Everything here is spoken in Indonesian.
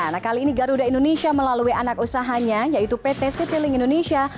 nah kali ini garuda indonesia melalui anak usahanya yaitu pt citylink indonesia